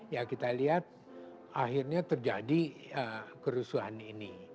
ya kita lihat akhirnya terjadi kerusuhan ini